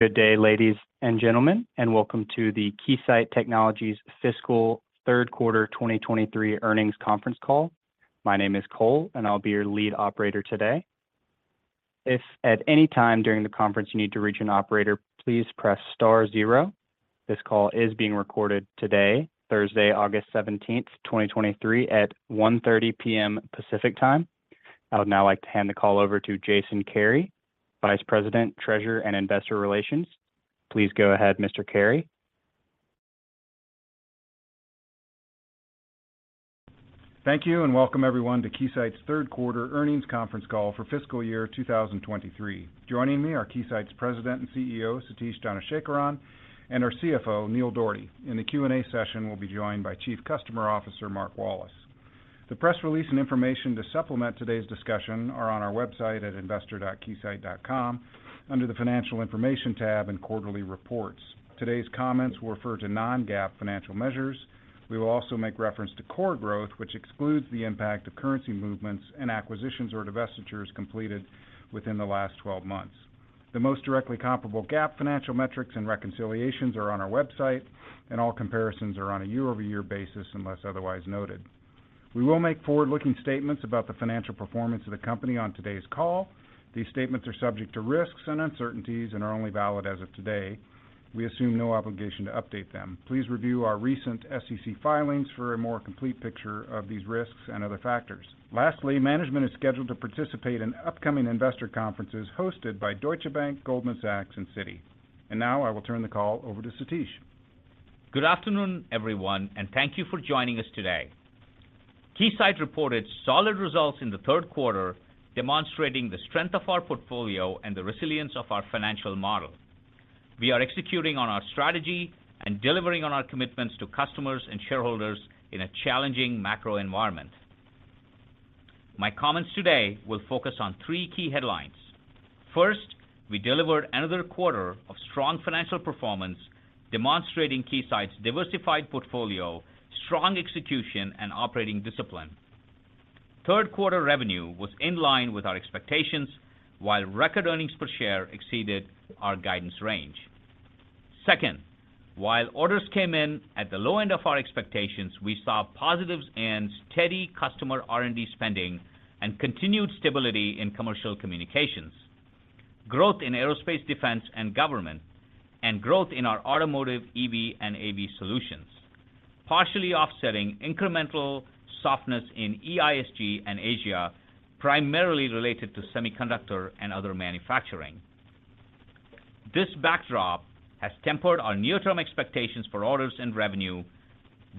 Good day, ladies and gentlemen, welcome to the Keysight Technologies Fiscal Third Quarter 2023 Earnings Conference Call. My name is Cole, I'll be your lead operator today. If at any time during the conference you need to reach an operator, please press star zero. This call is being recorded today, Thursday, August 17th, 2023 at 1:30 P.M. Pacific Time. I would now like to hand the call over to Jason Kary, Vice President, Treasurer and Investor Relations. Please go ahead, Mr. Kary. Thank you, welcome everyone to Keysight's third quarter earnings conference call for fiscal year 2023. Joining me are Keysight's President and CEO, Satish Dhanasekaran, and our CFO, Neil Dougherty. In the Q&A session, we'll be joined by Chief Customer Officer, Mark Wallace. The press release and information to supplement today's discussion are on our website at investor.keysight.com, under the Financial Information tab and Quarterly Reports. Today's comments will refer to non-GAAP financial measures. We will also make reference to core growth, which excludes the impact of currency movements and acquisitions or divestitures completed within the last 12 months. The most directly comparable GAAP financial metrics and reconciliations are on our website, all comparisons are on a year-over-year basis unless otherwise noted. We will make forward-looking statements about the financial performance of the company on today's call. These statements are subject to risks and uncertainties and are only valid as of today. We assume no obligation to update them. Please review our recent SEC filings for a more complete picture of these risks and other factors. Lastly, management is scheduled to participate in upcoming investor conferences hosted by Deutsche Bank, Goldman Sachs, and Citi. Now I will turn the call over to Satish. Good afternoon, everyone, and thank you for joining us today. Keysight reported solid results in the third quarter, demonstrating the strength of our portfolio and the resilience of our financial model. We are executing on our strategy and delivering on our commitments to customers and shareholders in a challenging macro environment. My comments today will focus on three key headlines. First, we delivered another quarter of strong financial performance, demonstrating Keysight's diversified portfolio, strong execution, and operating discipline. Third quarter revenue was in line with our expectations, while record earnings per share exceeded our guidance range. Second, while orders came in at the low end of our expectations, we saw positives in steady customer R&D spending and continued stability in commercial communications, growth in aerospace, defense, and government, and growth in our automotive EV and AV solutions, partially offsetting incremental softness in EISG and Asia, primarily related to semiconductor and other manufacturing. This backdrop has tempered our near-term expectations for orders and revenue.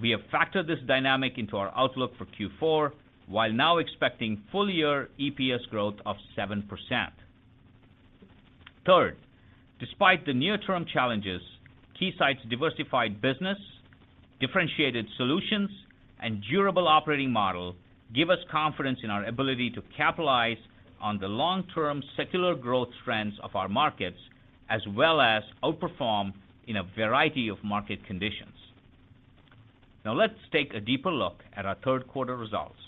We have factored this dynamic into our outlook for Q4, while now expecting full-year EPS growth of 7%. Third, despite the near-term challenges, Keysight's diversified business, differentiated solutions, and durable operating model give us confidence in our ability to capitalize on the long-term secular growth trends of our markets, as well as outperform in a variety of market conditions. Let's take a deeper look at our third quarter results.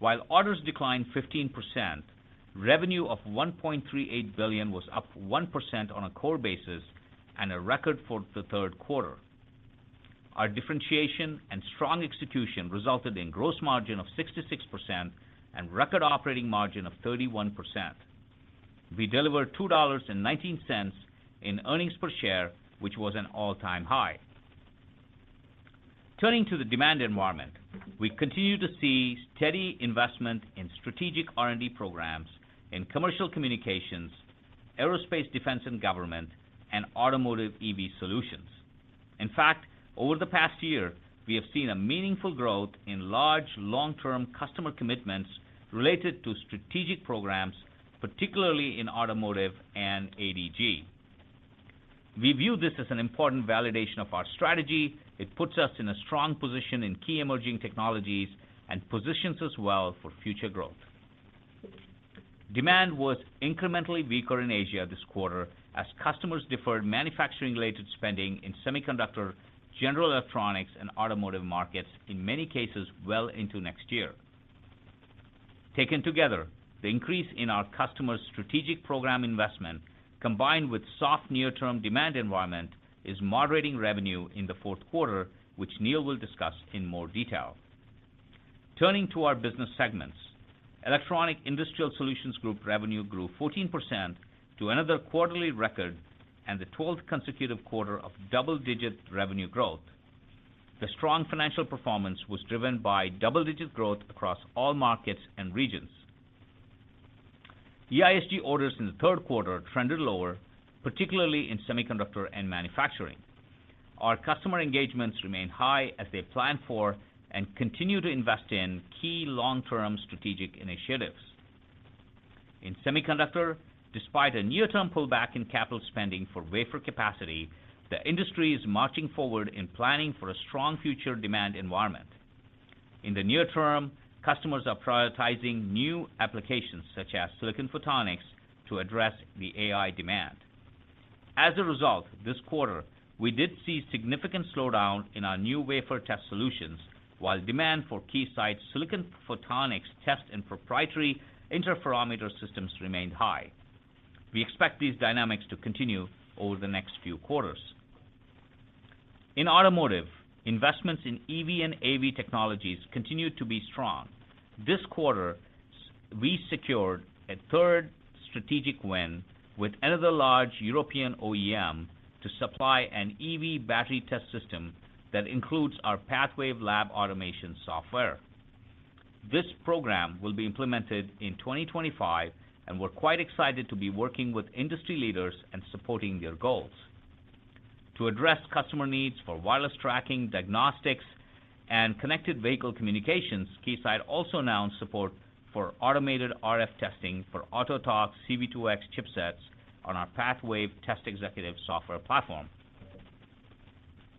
While orders declined 15%, revenue of $1.38 billion was up 1% on a core basis and a record for the third quarter. Our differentiation and strong execution resulted in gross margin of 66% and record operating margin of 31%. We delivered $2.19 in earnings per share, which was an all-time high. Turning to the demand environment, we continue to see steady investment in strategic R&D programs in commercial communications, aerospace, defense and government, and automotive EV solutions. In fact, over the past year, we have seen a meaningful growth in large, long-term customer commitments related to strategic programs, particularly in automotive and ADG. We view this as an important validation of our strategy. It puts us in a strong position in key emerging technologies and positions us well for future growth. Demand was incrementally weaker in Asia this quarter as customers deferred manufacturing-related spending in semiconductor, general electronics, and automotive markets, in many cases, well into next year. Taken together, the increase in our customers' strategic program investment, combined with soft near-term demand environment, is moderating revenue in the fourth quarter, which Neil will discuss in more detail. Turning to our business segments, Electronic Industrial Solutions Group revenue grew 14% to another quarterly record and the 12th consecutive quarter of double-digit revenue growth. The strong financial performance was driven by double-digit growth across all markets and regions. EISG orders in the third quarter trended lower, particularly in semiconductor and manufacturing. Our customer engagements remain high as they plan for and continue to invest in key long-term strategic initiatives. In semiconductor, despite a near-term pullback in capital spending for wafer capacity, the industry is marching forward in planning for a strong future demand environment. In the near term, customers are prioritizing new applications, such as silicon photonics, to address the AI demand. As a result, this quarter, we did see significant slowdown in our new wafer test solutions, while demand for Keysight's silicon photonics test and proprietary interferometer systems remained high. We expect these dynamics to continue over the next few quarters.... In automotive, investments in EV and AV technologies continue to be strong. This quarter, we secured a third strategic win with another large European OEM to supply an EV battery test system that includes our PathWave lab automation software. This program will be implemented in 2025, and we're quite excited to be working with industry leaders and supporting their goals. To address customer needs for wireless tracking, diagnostics, and connected vehicle communications, Keysight also announced support for automated RF testing for Autotalks C-V2X chipsets on our PathWave Test Executive software platform.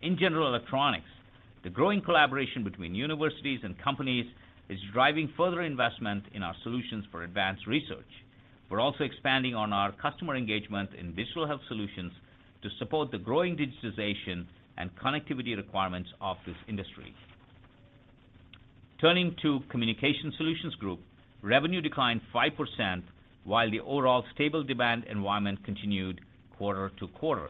In general electronics, the growing collaboration between universities and companies is driving further investment in our solutions for advanced research. We're also expanding on our customer engagement in digital health solutions to support the growing digitization and connectivity requirements of this industry. Turning to Communications Solutions Group, revenue declined 5%, while the overall stable demand environment continued quarter to quarter.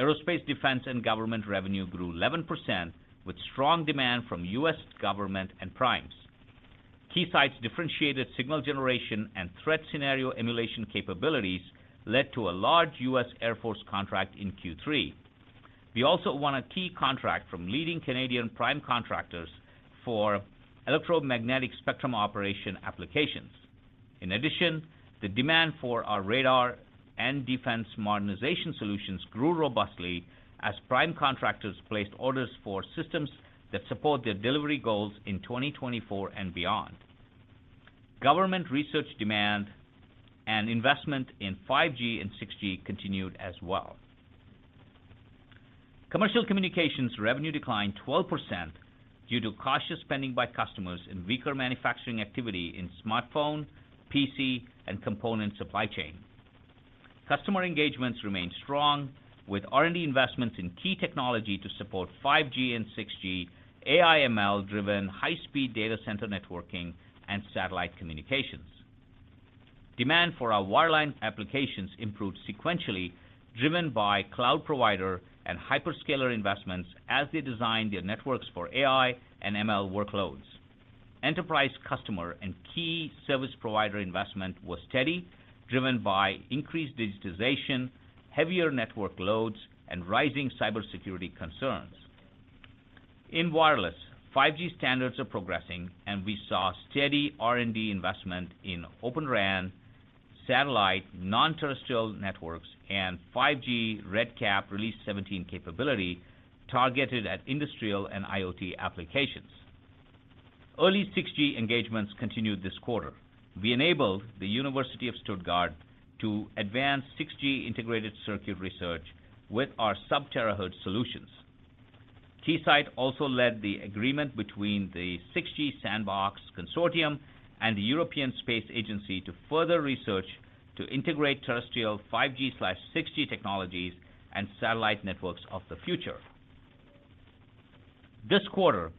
Aerospace, defense, and government revenue grew 11%, with strong demand from U.S. government and primes. Keysight's differentiated signal generation and threat scenario emulation capabilities led to a large U.S. Air Force contract in Q3. We also won a key contract from leading Canadian prime contractors for electromagnetic spectrum operation applications. In addition, the demand for our radar and defense modernization solutions grew robustly as prime contractors placed orders for systems that support their delivery goals in 2024 and beyond. Government research demand and investment in 5G and 6G continued as well. Commercial communications revenue declined 12% due to cautious spending by customers and weaker manufacturing activity in smartphone, PC, and component supply chain. Customer engagements remained strong, with R&D investments in key technology to support 5G and 6G, AI/ML-driven high-speed data center networking, and satellite communications. Demand for our wireline applications improved sequentially, driven by cloud provider and hyperscaler investments as they design their networks for AI and ML workloads. Enterprise customer and key service provider investment was steady, driven by increased digitization, heavier network loads, and rising cybersecurity concerns. In wireless, 5G standards are progressing, and we saw steady R&D investment in Open RAN, satellite, Non-Terrestrial Networks, and 5G RedCap Release 17 capability targeted at industrial and IoT applications. Early 6G engagements continued this quarter. We enabled the University of Stuttgart to advance 6G integrated circuit research with our sub-terahertz solutions. Keysight also led the agreement between the 6G-SANDBOX Consortium and the European Space Agency to further research to integrate terrestrial 5G/6G technologies and satellite networks of the future. This quarter,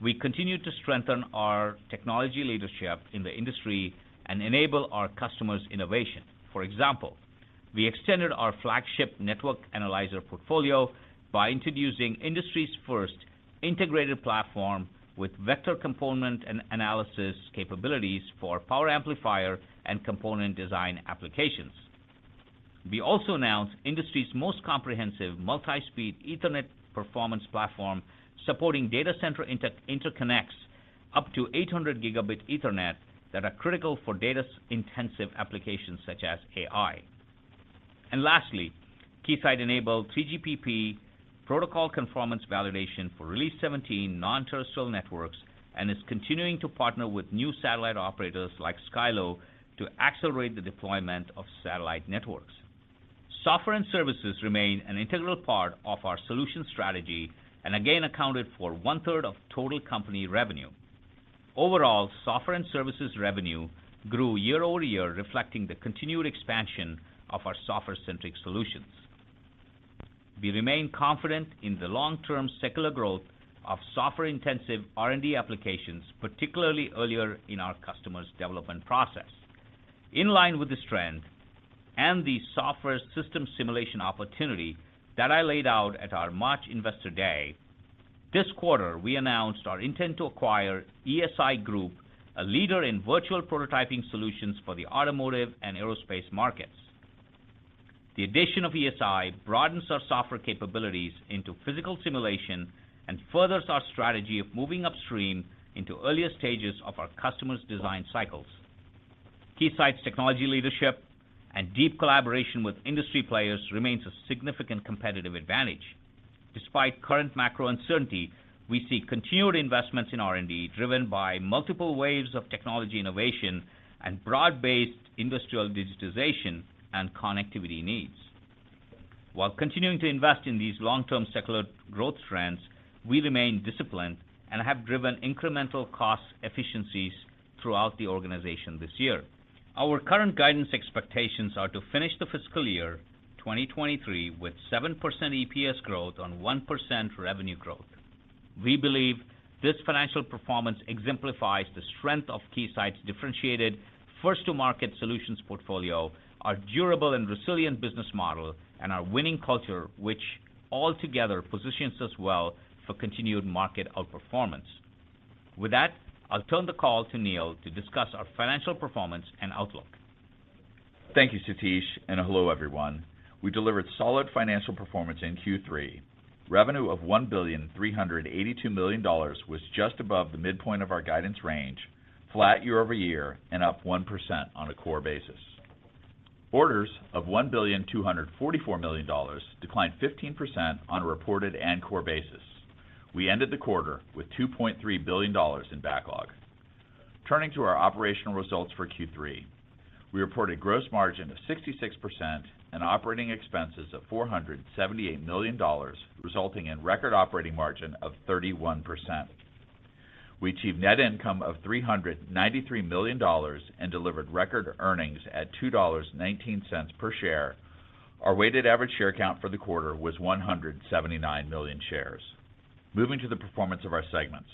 we continued to strengthen our technology leadership in the industry and enable our customers' innovation. For example, we extended our flagship network analyzer portfolio by introducing industry's first integrated platform with vector component and analysis capabilities for power amplifier and component design applications. We also announced industry's most comprehensive multi-speed Ethernet performance platform, supporting data center interconnects up to 800 Gb Ethernet that are critical for data-intensive applications such as AI. Lastly, Keysight enabled 3GPP protocol conformance validation for Release 17 Non-Terrestrial Networks, and is continuing to partner with new satellite operators like Skylo to accelerate the deployment of satellite networks. Software and services remain an integral part of our solution strategy and again accounted for 1/3 of total company revenue. Overall, software and services revenue grew year-over-year, reflecting the continued expansion of our software-centric solutions. We remain confident in the long-term secular growth of software-intensive R&D applications, particularly earlier in our customers' development process. In line with this trend and the software system simulation opportunity that I laid out at our March Investor Day, this quarter, we announced our intent to acquire ESI Group, a leader in virtual prototyping solutions for the automotive and aerospace markets. The addition of ESI broadens our software capabilities into physical simulation and furthers our strategy of moving upstream into earlier stages of our customers' design cycles. Keysight's technology leadership and deep collaboration with industry players remains a significant competitive advantage. Despite current macro uncertainty, we see continued investments in R&D, driven by multiple waves of technology innovation and broad-based industrial digitization and connectivity needs. While continuing to invest in these long-term secular growth trends, we remain disciplined and have driven incremental cost efficiencies throughout the organization this year. Our current guidance expectations are to finish the fiscal year 2023 with 7% EPS growth on 1% revenue growth.... We believe this financial performance exemplifies the strength of Keysight's differentiated first-to-market solutions portfolio, our durable and resilient business model, and our winning culture, which altogether positions us well for continued market outperformance. With that, I'll turn the call to Neil to discuss our financial performance and outlook. Thank you, Satish, hello, everyone. We delivered solid financial performance in Q3. Revenue of $1,382 million was just above the midpoint of our guidance range, flat year-over-year, up 1% on a core basis. Orders of $1,244 million declined 15% on a reported and core basis. We ended the quarter with $2.3 billion in backlog. Turning to our operational results for Q3, we reported gross margin of 66% and operating expenses of $478 million, resulting in record operating margin of 31%. We achieved net income of $393 million and delivered record earnings at $2.19 per share. Our weighted average share count for the quarter was 179 million shares. Moving to the performance of our segments.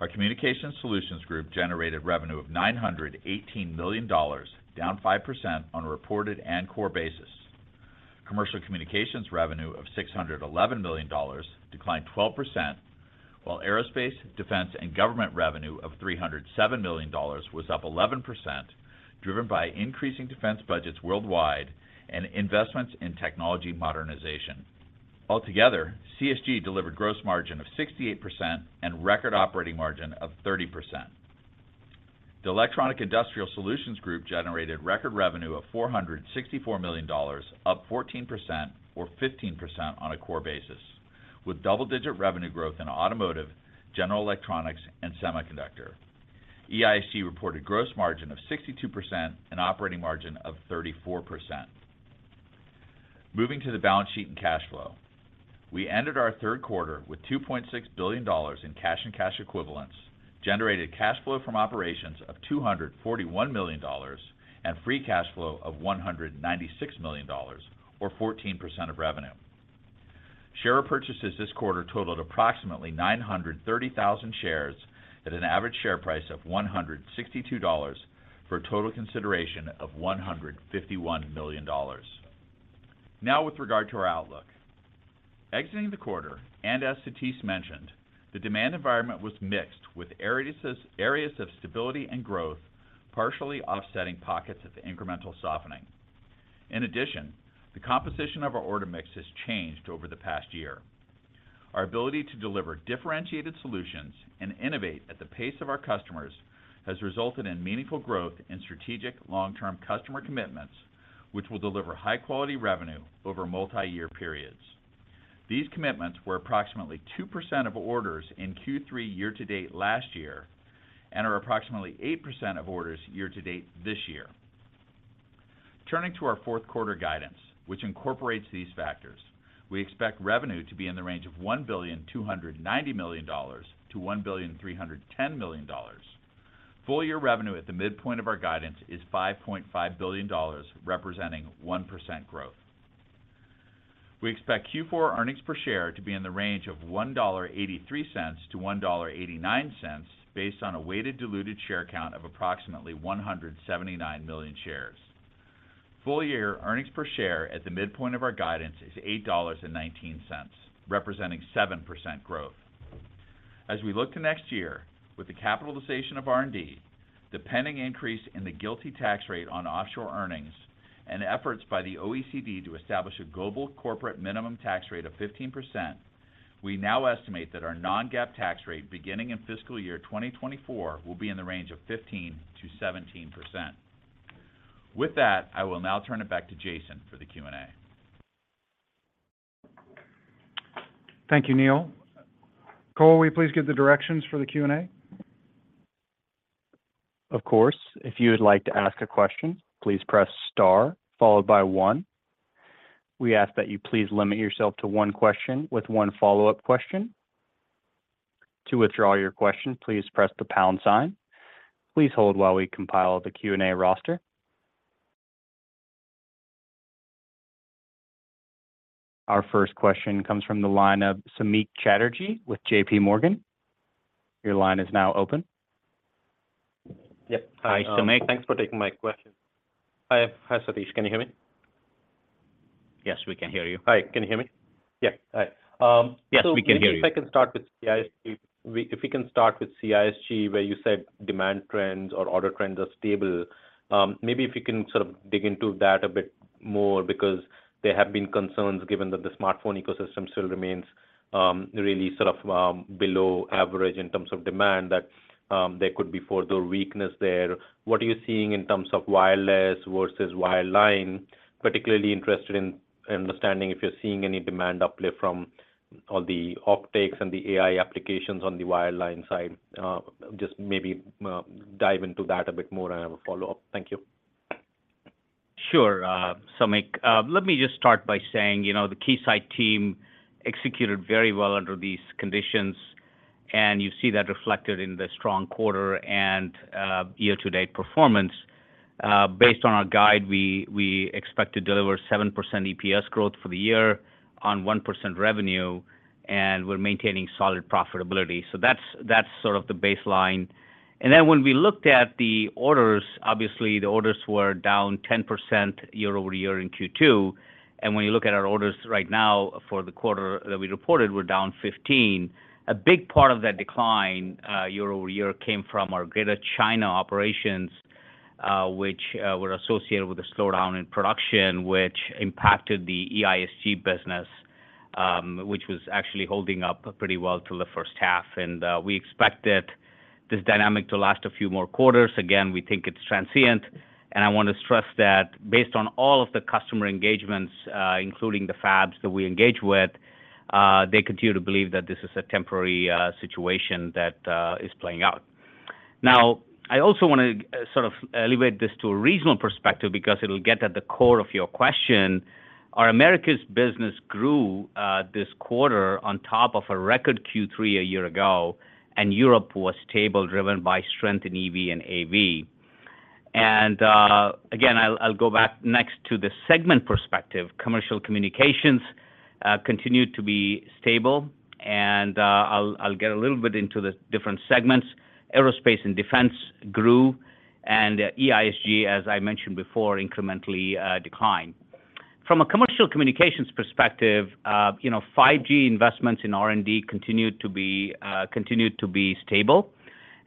Our Communications Solutions Group generated revenue of $918 million, down 5% on a reported and core basis. Commercial communications revenue of $611 million declined 12%, while aerospace, defense, and government revenue of $307 million was up 11%, driven by increasing defense budgets worldwide and investments in technology modernization. Altogether, CSG delivered gross margin of 68% and record operating margin of 30%. The Electronic Industrial Solutions Group generated record revenue of $464 million, up 14% or 15% on a core basis, with double-digit revenue growth in automotive, general electronics, and semiconductor. EISG reported gross margin of 62% and operating margin of 34%. Moving to the balance sheet and cash flow. We ended our third quarter with $2.6 billion in cash and cash equivalents, generated cash flow from operations of $241 million, and free cash flow of $196 million or 14% of revenue. Share purchases this quarter totaled approximately 930,000 shares at an average share price of $162, for a total consideration of $151 million. Now, with regard to our outlook. Exiting the quarter, and as Satish mentioned, the demand environment was mixed, with areas of stability and growth, partially offsetting pockets of incremental softening. In addition, the composition of our order mix has changed over the past year. Our ability to deliver differentiated solutions and innovate at the pace of our customers has resulted in meaningful growth in strategic, long-term customer commitments, which will deliver high-quality revenue over multi-year periods. These commitments were approximately 2% of orders in Q3 year to date last year, and are approximately 8% of orders year to date this year. Turning to our fourth quarter guidance, which incorporates these factors, we expect revenue to be in the range of $1.29 billion-$1.31 billion. Full-year revenue at the midpoint of our guidance is $5.5 billion, representing 1% growth. We expect Q4 earnings per share to be in the range of $1.83-$1.89, based on a weighted diluted share count of approximately 179 million shares. Full-year earnings per share at the midpoint of our guidance is $8.19, representing 7% growth. As we look to next year, with the capitalization of R&D, the pending increase in the GILTI tax rate on offshore earnings, and efforts by the OECD to establish a global corporate minimum tax rate of 15%, we now estimate that our non-GAAP tax rate, beginning in fiscal year 2024, will be in the range of 15%-17%. With that, I will now turn it back to Jason for the Q&A. Thank you, Neil. Cole, will you please give the directions for the Q&A? Of course. If you would like to ask a question, please press star followed by one. We ask that you please limit yourself to one question with one follow-up question. To withdraw your question, please press the pound sign. Please hold while we compile the Q&A roster. Our first question comes from the line of Samik Chatterjee with JPMorgan. Your line is now open. Yes. Hi, Samik. Thanks for taking my question. Hi, hi, Satish. Can you hear me? Yes, we can hear you. Hi, can you hear me? Yeah. Hi. Yes, we can hear you. Maybe if I can start with CSG. If we can start with CSG, where you said demand trends or order trends are stable. maybe if we can sort of dig into that a bit more, because there have been concerns, given that the smartphone ecosystem still remains, really sort of, below average in terms of demand, that, there could be further weakness there. What are you seeing in terms of wireless versus wireline? Particularly interested in understanding if you're seeing any demand uplift from all the optics and the AI applications on the wireline side. Just maybe, dive into that a bit more, and I have a follow-up. Thank you. Sure, Samik. Let me just start by saying, you know, the Keysight team executed very well under these conditions, and you see that reflected in the strong quarter and year-to-date performance. Based on our guide, we expect to deliver 7% EPS growth for the year on 1% revenue, and we're maintaining solid profitability. That's, that's sort of the baseline. Then when we looked at the orders, obviously the orders were down 10% year-over-year in Q2. When you look at our orders right now for the quarter that we reported, we're down 15. A big part of that decline, year-over-year, came from our Greater China operations, which were associated with a slowdown in production, which impacted the EISG business, which was actually holding up pretty well through the first half. We expected this dynamic to last a few more quarters. Again, we think it's transient, and I want to stress that based on all of the customer engagements, including the fabs that we engage with, they continue to believe that this is a temporary situation that is playing out. Now, I also want to sort of elevate this to a regional perspective because it'll get at the core of your question. Our Americas business grew this quarter on top of a record Q3 a year ago, and Europe was stable, driven by strength in EV and AV. Again, I'll, I'll go back next to the segment perspective. Commercial communications continued to be stable, and I'll, I'll get a little bit into the different segments. Aerospace and Defense grew, and EISG, as I mentioned before, incrementally declined. From a commercial communications perspective, you know, 5G investments in R&D continued to be continued to be stable.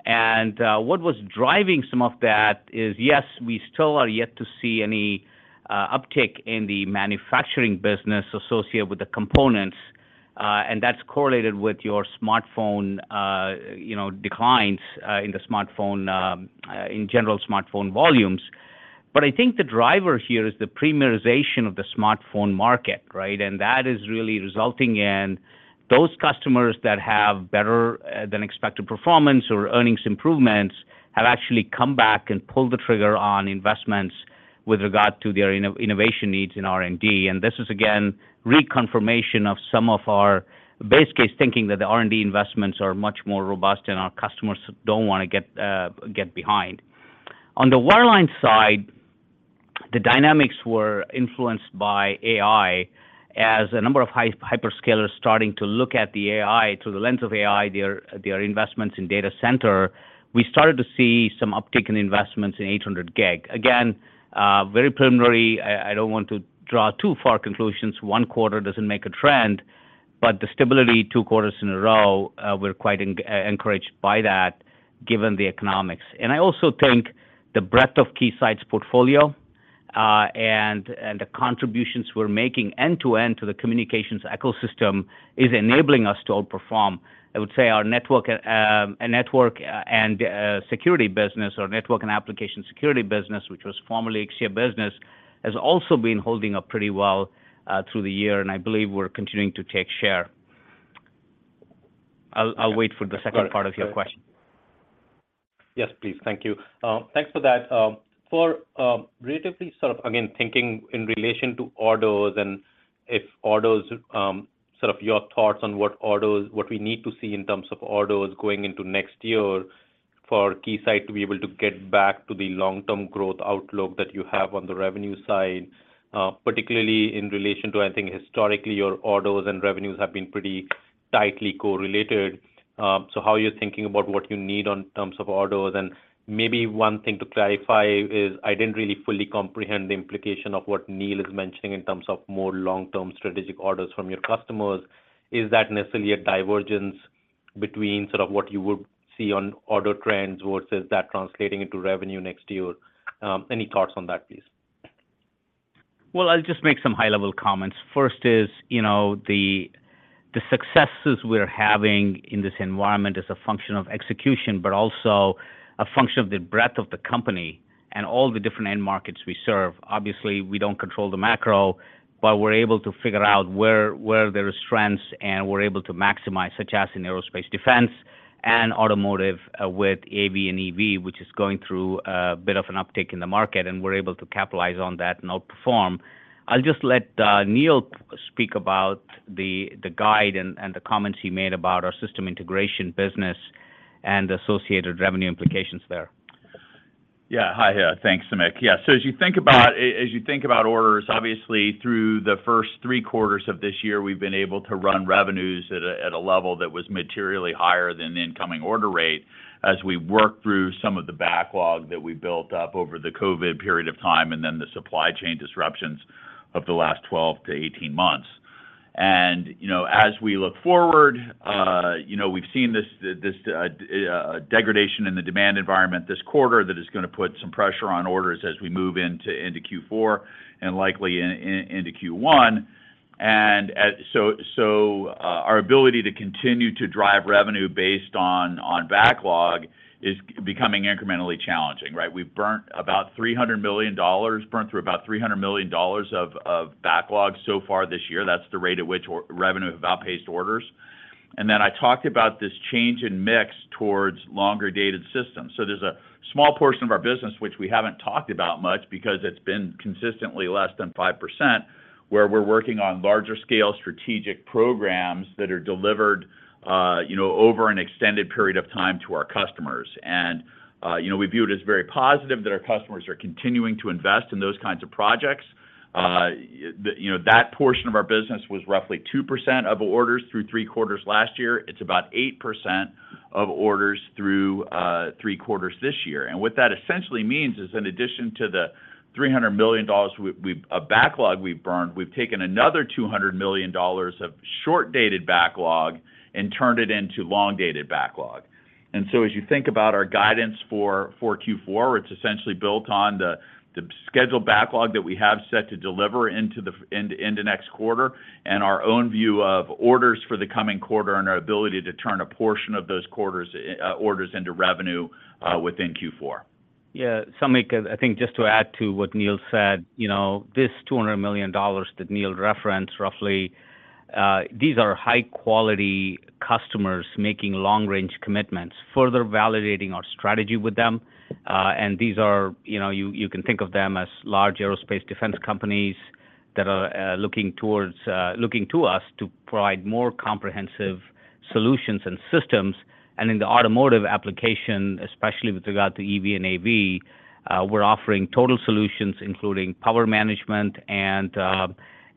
What was driving some of that is, yes, we still are yet to see any uptick in the manufacturing business associated with the components, and that's correlated with your smartphone, you know, declines in the smartphone in general, smartphone volumes. I think the driver here is the premierization of the smartphone market, right? That is really resulting in those customers that have better-than-expected performance or earnings improvements, have actually come back and pulled the trigger on investments with regard to their inno-innovation needs in R&D. This is again, reconfirmation of some of our base case, thinking that the R&D investments are much more robust and our customers don't want to get get behind. On the wireline side, the dynamics were influenced by AI as a number of hyperscalers starting to look at the AI, through the lens of AI, their, their investments in data center, we started to see some uptick in investments in 800 Gb. Again, very preliminary. I, I don't want to draw too far conclusions. One quarter doesn't make a trend, but the stability, two quarters in a row, we're quite encouraged by that, given the economics. I also think the breadth of Keysight's portfolio, and, and the contributions we're making end-to-end to the communications ecosystem is enabling us to outperform. I would say our network, network, and security business or network and application security business, which was formerly Ixia business, has also been holding up pretty well through the year, and I believe we're continuing to take share. I'll, I'll wait for the second part of your question. Yes, please. Thank you. Thanks for that. Relatively sort of again, thinking in relation to orders and if orders, sort of your thoughts on what orders, what we need to see in terms of orders going into next year for Keysight to be able to get back to the long-term growth outlook that you have on the revenue side, particularly in relation to, I think, historically, your orders and revenues have been pretty tightly correlated. So how are you thinking about what you need in terms of orders? Maybe one thing to clarify is I didn't really fully comprehend the implication of what Neil is mentioning in terms of more long-term strategic orders from your customers. Is that necessarily a divergence between sort of what you would see on order trends versus that translating into revenue next year? Any thoughts on that, please? Well, I'll just make some high-level comments. First is, you know, the, the successes we're having in this environment is a function of execution, but also a function of the breadth of the company and all the different end markets we serve. Obviously, we don't control the macro, but we're able to figure out where, where there is strengths, and we're able to maximize, such as in aerospace, defense, and automotive, with AV and EV, which is going through a bit of an uptick in the market, and we're able to capitalize on that and outperform. I'll just let Neil speak about the, the guide and, and the comments he made about our system integration business and associated revenue implications there. Yeah. Hi, thanks, Samik. Yeah, as you think about- as you think about orders, obviously, through the first three quarters of this year, we've been able to run revenues at a, at a level that was materially higher than the incoming order rate as we worked through some of the backlog that we built up over the COVID period of time, and then the supply chain disruptions of the last 12 to 18 months. You know, as we look forward, you know, we've seen this, this degradation in the demand environment this quarter that is gonna put some pressure on orders as we move into, into Q4 and likely in, in, into Q1. Our ability to continue to drive revenue based on, on backlog is becoming incrementally challenging, right? We've burnt about $300 million, burnt through about $300 million of, of backlog so far this year. That's the rate at which our revenue have outpaced orders. Then I talked about this change in mix towards longer-dated systems. There's a small portion of our business which we haven't talked about much because it's been consistently less than 5%, where we're working on larger-scale strategic programs that are delivered, you know, over an extended period of time to our customers. You know, we view it as very positive that our customers are continuing to invest in those kinds of projects. You know, that portion of our business was roughly 2% of orders through three quarters last year. It's about 8% of orders through three quarters this year. What that essentially means is, in addition to the $300 million we of backlog we've burned, we've taken another $200 million of short-dated backlog and turned it into long-dated backlog. As you think about our guidance for, for Q4, it's essentially built on the scheduled backlog that we have set to deliver into the next quarter and our own view of orders for the coming quarter and our ability to turn a portion of those quarters, orders into revenue within Q4. Yeah, Samik, I, I think just to add to what Neil said, you know, this $200 million that Neil referenced, roughly, these are high-quality customers making long-range commitments, further validating our strategy with them. And these are, you know, you, you can think of them as large aerospace defense companies that are looking towards looking to us to provide more comprehensive solutions and systems. In the automotive application, especially with regard to EV and AV, we're offering total solutions, including power management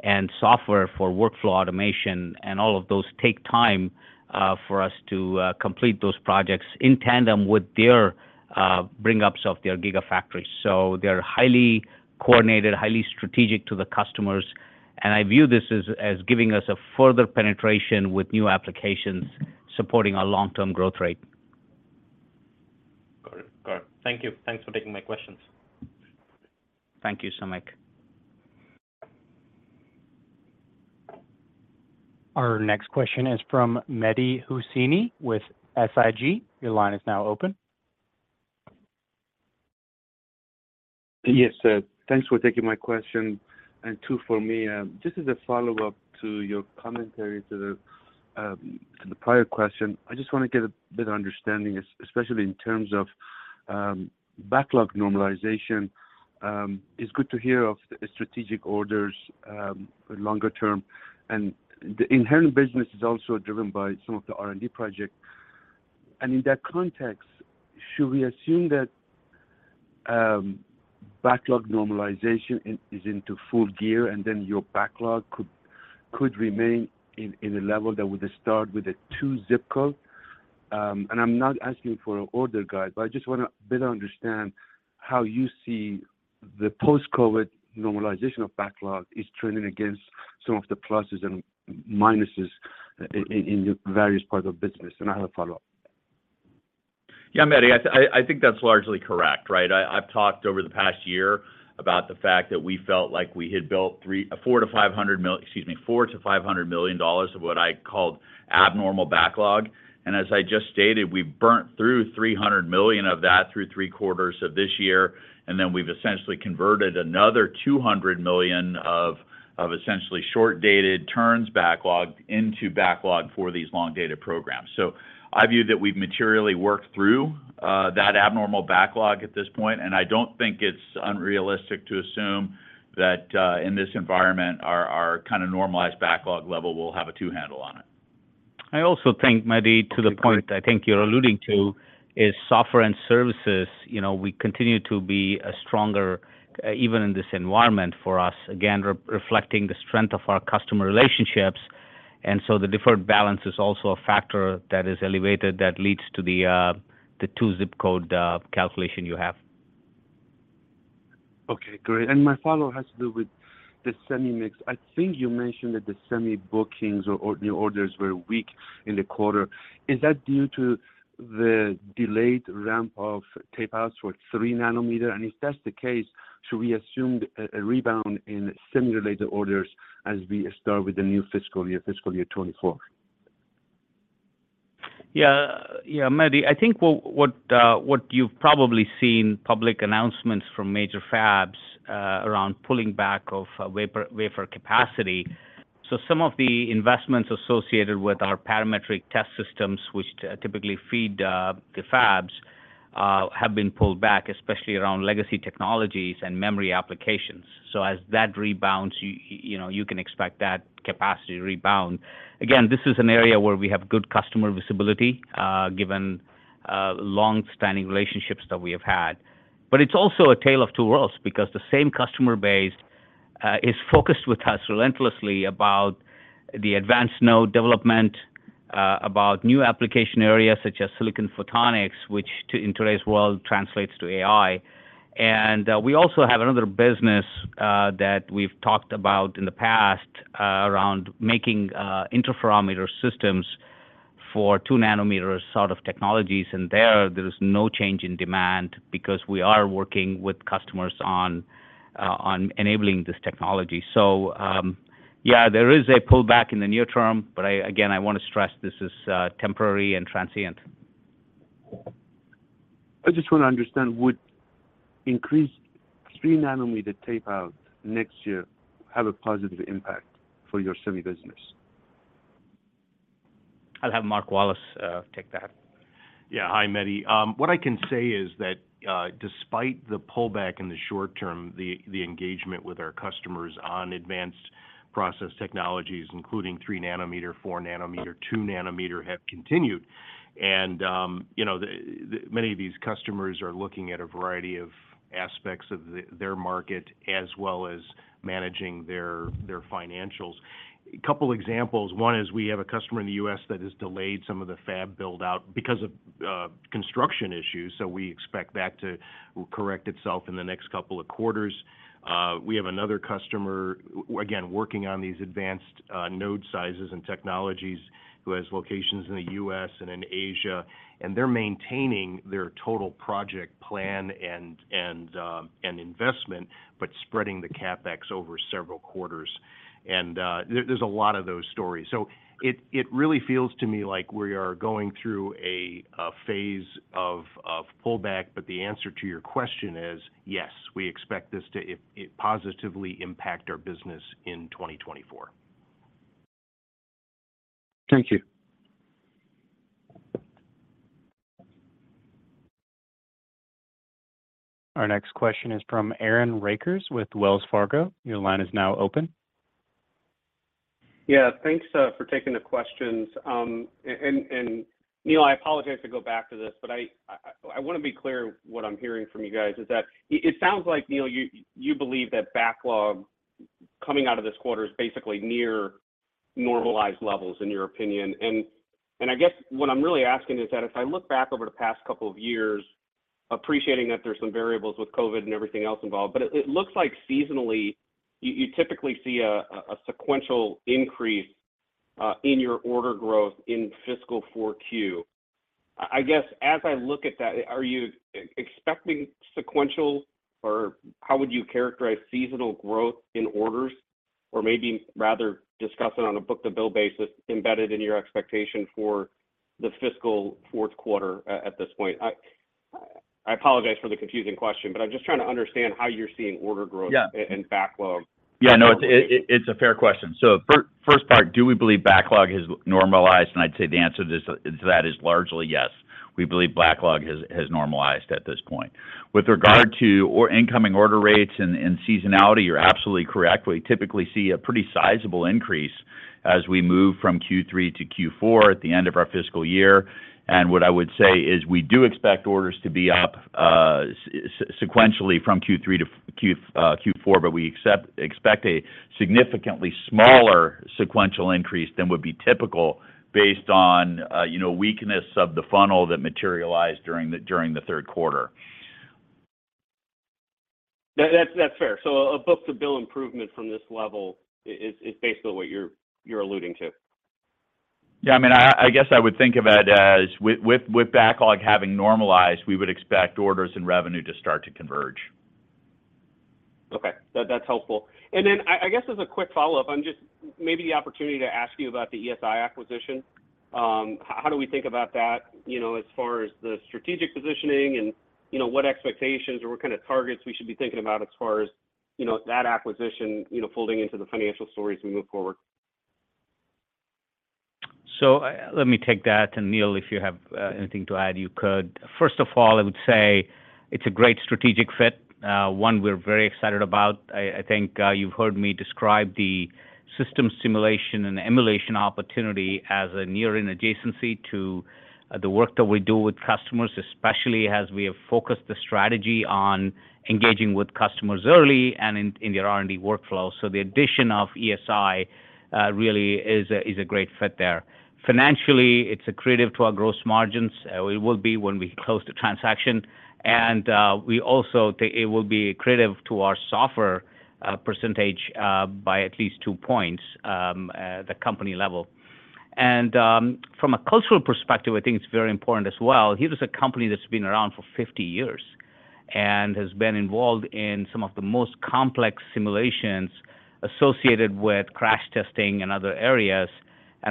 and software for workflow automation, and all of those take time for us to complete those projects in tandem with their bring ups of their gigafactories. They're highly coordinated, highly strategic to the customers, and I view this as, as giving us a further penetration with new applications supporting our long-term growth rate. Got it. Got it. Thank you. Thanks for taking my questions. Thank you, Samik. Our next question is from Mehdi Hosseini with SIG. Your line is now open. Yes, sir. Thanks for taking my question, and two for me. Just as a follow-up to your commentary to the prior question, I just want to get a better understanding, especially in terms of backlog normalization. It's good to hear of the strategic orders, longer term, and the inherent business is also driven by some of the R&D project. In that context, should we assume that backlog normalization is into full gear, and then your backlog could remain in a level that would start with a two ZIP code? I'm not asking for an order guide, but I just want to better understand how you see the post-COVID normalization of backlog is trending against some of the pluses and minuses in the various parts of business. I have a follow-up. Yeah, Mehdi, I think that's largely correct, right? I've talked over the past year about the fact that we felt like we had built, excuse me, $400 million-$500 million of what I called abnormal backlog. As I just stated, we've burnt through $300 million of that through three quarters of this year. Then we've essentially converted another $200 million of essentially short-dated turns backlog into backlog for these long-dated programs. I view that we've materially worked through that abnormal backlog at this point, and I don't think it's unrealistic to assume that in this environment, our kind of normalized backlog level will have a two handle on it. I also think, Mehdi, to the point I think you're alluding to, is software and services, you know, we continue to be a stronger, even in this environment for us, again, reflecting the strength of our customer relationships. So the deferred balance is also a factor that is elevated, that leads to the two ZIP code, calculation you have. Okay, great. My follow-up has to do with the semi mix. I think you mentioned that the semi bookings or, or new orders were weak in the quarter. Is that due to the delayed ramp of tapeouts for 3 nm? If that's the case, should we assume a, a rebound in simulator orders as we start with the new fiscal year, fiscal year 2024? Yeah. Yeah, Mehdi, I think what, what, what you've probably seen public announcements from major fabs, around pulling back of, wafer, wafer capacity. Some of the investments associated with our parametric test systems, which typically feed, the fabs, have been pulled back, especially around legacy technologies and memory applications. As that rebounds, you, you know, you can expect that capacity to rebound. Again, this is an area where we have good customer visibility, given, long-standing relationships that we have had. It's also a tale of two worlds, because the same customer base, is focused with us relentlessly about the advanced node development, about new application areas such as silicon photonics, which in today's world translates to AI. We also have another business that we've talked about in the past, around making interferometer systems for 2 nm sort of technologies. There, there is no change in demand because we are working with customers on enabling this technology. Yeah, there is a pullback in the near term, but I, again, I want to stress this is temporary and transient.... I just want to understand, would increased 3 nm tape out next year have a positive impact for your semi business? I'll have Mark Wallace take that. Yeah. Hi, Mehdi. What I can say is that, despite the pullback in the short term, the, the engagement with our customers on advanced process technologies, including 3 nm, 4 nm, 2 nm, have continued. You know, the, the, many of these customers are looking at a variety of aspects of the, their market, as well as managing their, their financials. A couple examples. One is we have a customer in the U.S. That has delayed some of the fab build-out because of construction issues, so we expect that to correct itself in the next couple of quarters. We have another customer, again, working on these advanced, node sizes and technologies, who has locations in the U.S. and in Asia, and they're maintaining their total project plan and, and, and investment, but spreading the CapEx over several quarters. There's a lot of those stories. It really feels to me like we are going through a phase of pullback, but the answer to your question is yes, we expect this to positively impact our business in 2024. Thank you. Our next question is from Aaron Rakers with Wells Fargo. Your line is now open. Yeah, thanks for taking the questions. Neil, I apologize to go back to this, but I want to be clear what I'm hearing from you guys is that, it, it sounds like, Neil, you, you believe that backlog coming out of this quarter is basically near normalized levels in your opinion. I guess what I'm really asking is that if I look back over the past two years, appreciating that there's some variables with COVID and everything else involved, but it, it looks like seasonally, you, you typically see a, a sequential increase in your order growth in fiscal 4Q. I, I guess as I look at that, are you expecting sequential, or how would you characterize seasonal growth in orders? maybe rather discuss it on a book-to-bill basis embedded in your expectation for the fiscal fourth quarter at this point. I apologize for the confusing question, but I'm just trying to understand how you're seeing order growth- Yeah. -Snd backlog. Yeah, no it's a fair question. First part, do we believe backlog has normalized? I'd say the answer to this, to that is largely yes. We believe backlog has, has normalized at this point. Right. With regard to or incoming order rates and, and seasonality, you're absolutely correct. We typically see a pretty sizable increase as we move from Q3 to Q4 at the end of our fiscal year. What I would say is we do expect orders to be up sequentially from Q3 to Q4, but we expect a significantly smaller sequential increase than would be typical based on, you know, weakness of the funnel that materialized during the, during the third quarter. That's, that's fair. A book-to-bill improvement from this level is, is basically what you're, you're alluding to? Yeah, I mean, I guess I would think of it as with backlog having normalized, we would expect orders and revenue to start to converge. Okay, that, that's helpful. Then I, I guess as a quick follow-up, I'm just maybe the opportunity to ask you about the ESI acquisition. How, how do we think about that, you know, as far as the strategic positioning and, you know, what expectations or what kind of targets we should be thinking about as far as, you know, that acquisition, you know, folding into the financial story as we move forward? Let me take that, and Neil, if you have anything to add, you could. First of all, I would say it's a great strategic fit, one we're very excited about. I, I think, you've heard me describe the system simulation and emulation opportunity as a near-in adjacency to the work that we do with customers, especially as we have focused the strategy on engaging with customers early and in, in their R&D workflow. The addition of ESI really is a great fit there. Financially, it's accretive to our gross margins. It will be when we close the transaction, and we also think it will be accretive to our software percentage by at least two points at the company level. From a cultural perspective, I think it's very important as well. Here is a company that's been around for 50 years and has been involved in some of the most complex simulations associated with crash testing and other areas.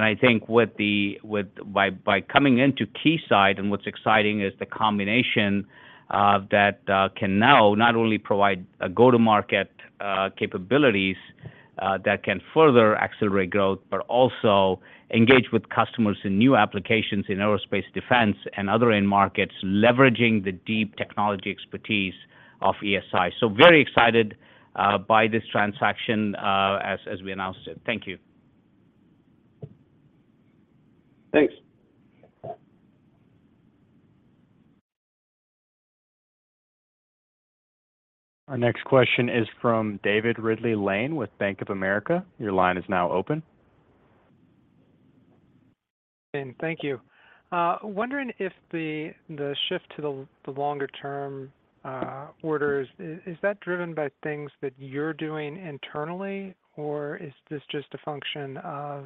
I think with the, with, by, by coming into Keysight, and what's exciting is the combination of that, can now not only provide a go-to-market capabilities that can further accelerate growth, but also engage with customers in new applications in aerospace, defense, and other end markets, leveraging the deep technology expertise of ESI. Very excited by this transaction as, as we announced it. Thank you. Thanks. Our next question is from David Ridley-Lane with Bank of America. Your line is now open. Thank you. Wondering if the, the shift to the, the longer-term orders, is that driven by things that you're doing internally, or is this just a function of,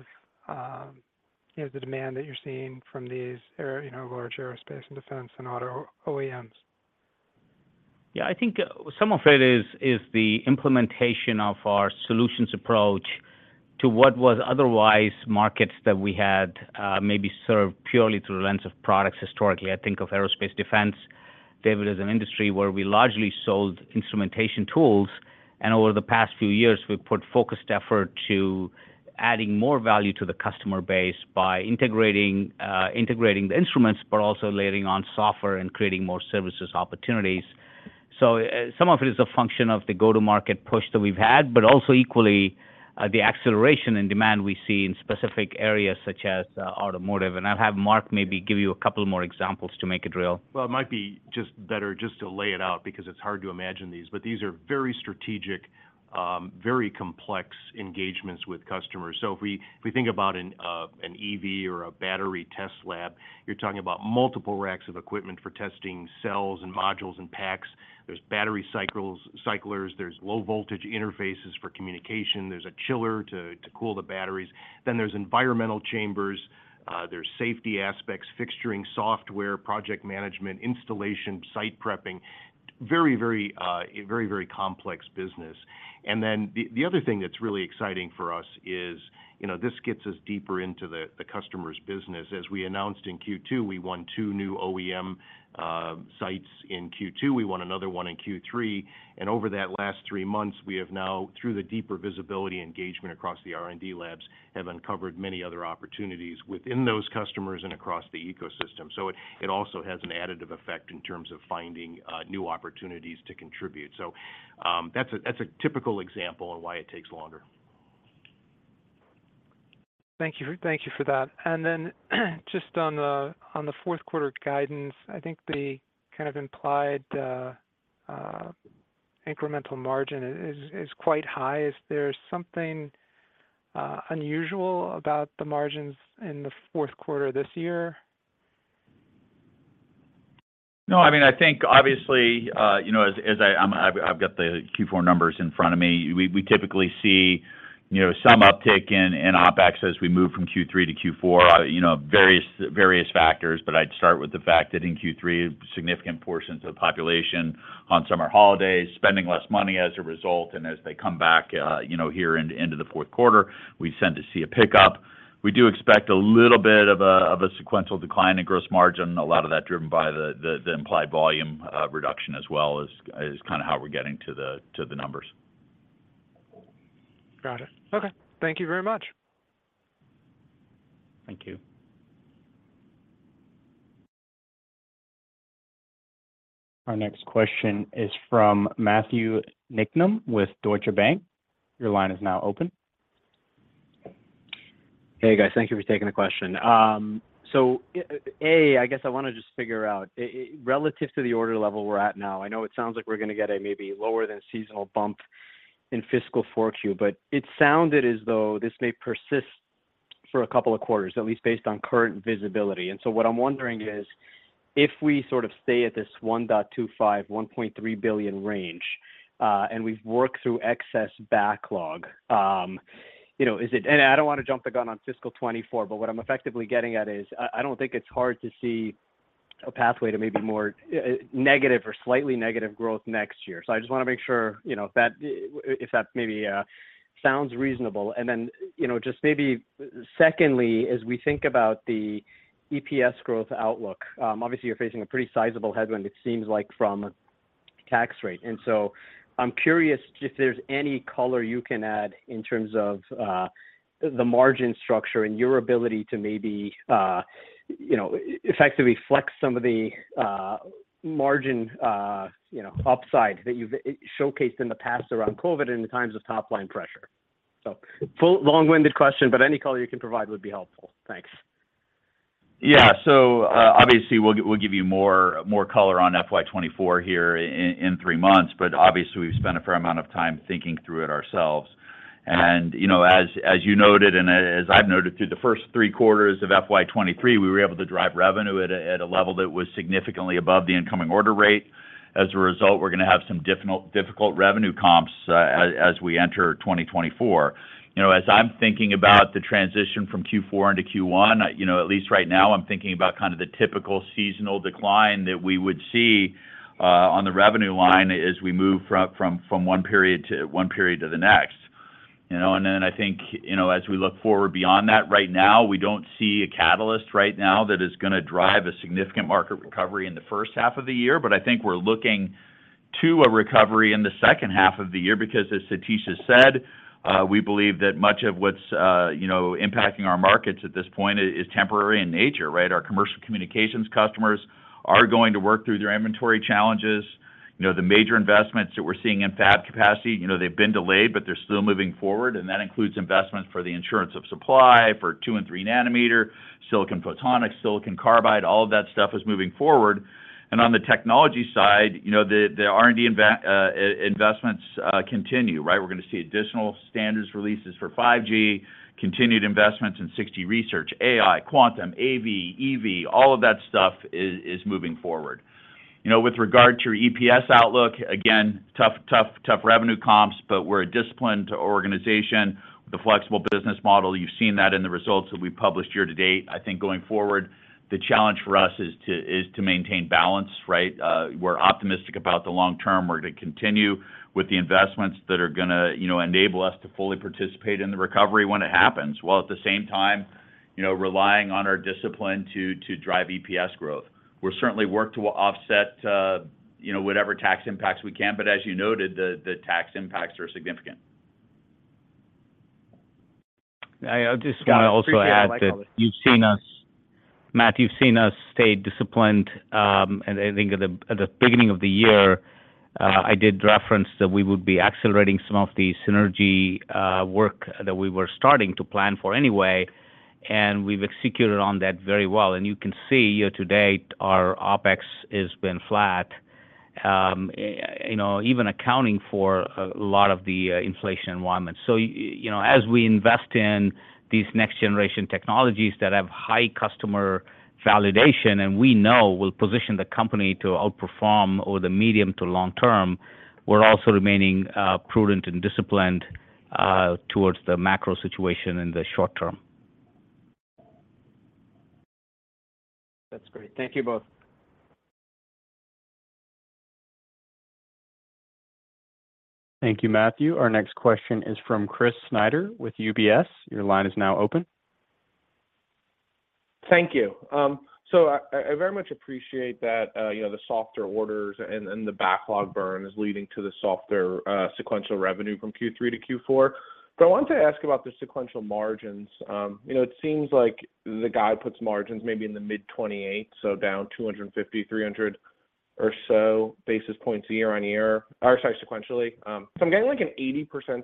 you know, the demand that you're seeing from these air, you know, large aerospace and defense and auto OEMs? Yeah, I think some of it is, is the implementation of our solutions approach to what was otherwise markets that we had, maybe served purely through the lens of products. Historically, I think of aerospace defense, David, as an industry where we largely sold instrumentation tools, and over the past few years, we've put focused effort to adding more value to the customer base by integrating, integrating the instruments, but also layering on software and creating more services opportunities. Some of it is a function of the go-to-market push that we've had, but also equally, the acceleration and demand we see in specific areas such as automotive. I'll have Mark maybe give you a couple more examples to make it real. It might be just better just to lay it out, because it's hard to imagine these, but these are very strategic, very complex engagements with customers. If we, if we think about an EV or a battery test lab, you're talking about multiple racks of equipment for testing cells and modules and packs. There's battery cycles, cyclers, there's low voltage interfaces for communication. There's a chiller to, to cool the batteries. There's environmental chambers, there's safety aspects, fixturing, software, project management, installation, site prepping. Very, very, very, very complex business. The other thing that's really exciting for us is, you know, this gets us deeper into the, the customer's business. As we announced in Q2, we won two new OEM sites in Q2. We won another one in Q3. Over that last three months, we have now, through the deeper visibility engagement across the R&D labs, have uncovered many other opportunities within those customers and across the ecosystem. It, it also has an additive effect in terms of finding new opportunities to contribute. That's a, that's a typical example of why it takes longer. Thank you. Thank you for that. Just on the, on the fourth quarter guidance, I think the kind of implied incremental margin is, is quite high. Is there something unusual about the margins in the fourth quarter this year? No, I mean, I think obviously, you know, as I've got the Q4 numbers in front of me. We typically see, you know, some uptick in OpEx as we move from Q3 to Q4, you know, various factors. I'd start with the fact that in Q3, significant portions of the population on summer holidays, spending less money as a result, and as they come back, you know, here into the fourth quarter, we tend to see a pickup. We do expect a little bit of a sequential decline in gross margin. A lot of that driven by the implied volume reduction, as well as kind of how we're getting to the numbers. Got it. Okay. Thank you very much. Thank you. Our next question is from Matthew Niknam with Deutsche Bank. Your line is now open. Hey, guys. Thank you for taking the question. A, I guess I want to just figure out relative to the order level we're at now, I know it sounds like we're going to get a maybe lower than seasonal bump in fiscal fourth Q, but it sounded as though this may persist for a couple of quarters, at least based on current visibility. What I'm wondering is, if we sort of stay at this $1.25 billion-$1.3 billion range, and we've worked through excess backlog, you know, is it... I don't want to jump the gun on fiscal 2024, but what I'm effectively getting at is, I don't think it's hard to see a pathway to maybe more negative or slightly negative growth next year. I just want to make sure, you know, if that, if that maybe sounds reasonable. Then, you know, just maybe secondly, as we think about the EPS growth outlook, obviously, you're facing a pretty sizable headwind, it seems like, from a tax rate. I'm curious if there's any color you can add in terms of the margin structure and your ability to maybe, you know, effectively flex some of the margin, you know, upside that you've showcased in the past around COVID in the times of top-line pressure. Full, long-winded question, but any color you can provide would be helpful. Thanks. Yeah. Obviously, we'll, we'll give you more, more color on FY 2024 here in three months, but obviously, we've spent a fair amount of time thinking through it ourselves. You know, as, as you noted, and as I've noted, through the first three quarters of FY 2023, we were able to drive revenue at a, at a level that was significantly above the incoming order rate. As a result, we're going to have some difficult, difficult revenue comps as we enter 2024. You know, as I'm thinking about the transition from Q4 into Q1, you know, at least right now, I'm thinking about kind of the typical seasonal decline that we would see on the revenue line as we move from, from, from one period to, one period to the next. You know, then I think, you know, as we look forward beyond that, right now, we don't see a catalyst right now that is gonna drive a significant market recovery in the first half of the year. I think we're looking to a recovery in the second half of the year, because as Satish has said, we believe that much of what's, you know, impacting our markets at this point is temporary in nature, right? Our commercial communications customers are going to work through their inventory challenges. You know, the major investments that we're seeing in fab capacity, you know, they've been delayed, but they're still moving forward, and that includes investments for the assurance of supply, for 2 nm and 3 nm, silicon photonics, silicon carbide, all of that stuff is moving forward. On the technology side, you know, the, the R&D investments continue, right? We're going to see additional standards releases for 5G, continued investments in 6G Research, AI, quantum, AV, EV, all of that stuff is, is moving forward. You know, with regard to your EPS outlook, again, tough, tough, tough revenue comps, but we're a disciplined organization with a flexible business model. You've seen that in the results that we published year to date. I think going forward, the challenge for us is to, is to maintain balance, right? We're optimistic about the long term. We're going to continue with the investments that are gonna, you know, enable us to fully participate in the recovery when it happens, while at the same time, you know, relying on our discipline to, to drive EPS growth. We're certainly work to offset, you know, whatever tax impacts we can, but as you noted, the, the tax impacts are significant. I just wanna also add. Scott, appreciate it. that you've seen us-- Matt, you've seen us stay disciplined, and I think at the beginning of the year, I did reference that we would be accelerating some of the synergy work that we were starting to plan for anyway, and we've executed on that very well. You can see year to date, our OpEx has been flat, you know, even accounting for a lot of the inflation environment. You know, as we invest in these next generation technologies that have high customer validation, and we know will position the company to outperform over the medium to long term, we're also remaining prudent and disciplined towards the macro situation in the short term. That's great. Thank you both. Thank you, Matthew. Our next question is from Chris Snyder with UBS. Your line is now open. Thank you. I very much appreciate that, you know, the softer orders and, and the backlog burn is leading to the softer sequential revenue from Q3 to Q4. I wanted to ask about the sequential margins. You know, it seems like the guide puts margins maybe in the mid-28%, so down 250-300 or so basis points year-over-year, or sorry, sequentially. I'm getting like an 80%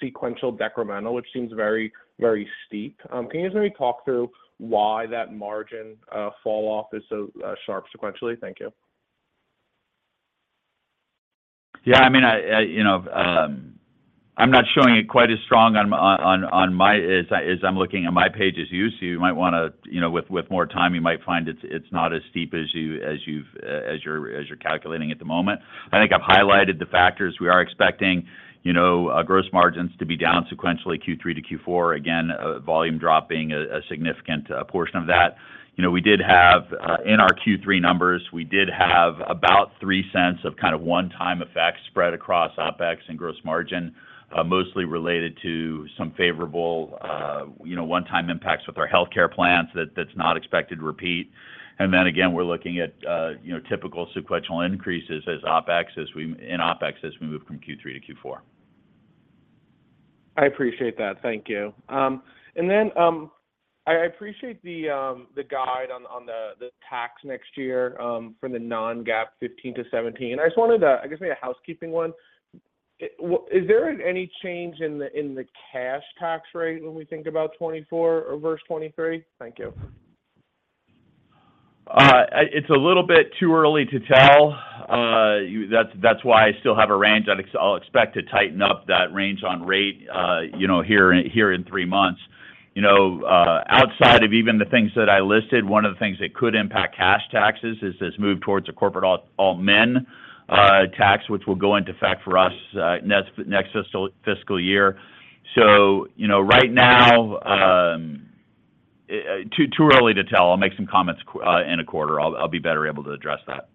sequential decremental, which seems very, very steep. Can you just maybe talk through why that margin falloff is so sharp sequentially? Thank you. Yeah, I mean, I, I, you know, I'm not showing it quite as strong on on my as, as I'm looking at my page as you, so you might wanna, you know, with, with more time, you might find it's, it's not as steep as you're calculating at the moment. I think I've highlighted the factors we are expecting, you know, gross margins to be down sequentially, Q3 to Q4, again, volume dropping a significant portion of that. You know, we did have, in our Q3 numbers, we did have about $0.03 of kind of one-time effects spread across OpEx and gross margin, mostly related to some favorable, you know, one-time impacts with our healthcare plans that, that's not expected to repeat. Then again, we're looking at, you know, typical sequential increases as OpEx in OpEx, as we move from Q3 to Q4. I appreciate that. Thank you. I appreciate the guide on the tax next year, from the non-GAAP 15%-17%. I just wanted, I guess, maybe a housekeeping one. Is there any change in the cash tax rate when we think about 2024 over 2023? Thank you. It's a little bit too early to tell. That's why I still have a range. I'll expect to tighten up that range on rate, you know, here in three months. You know, outside of even the things that I listed, one of the things that could impact cash taxes is this move towards a Corporate Alternative Minimum Tax, which will go into effect for us next fiscal year. You know, right now, too early to tell. I'll make some comments in a quarter. I'll be better able to address that.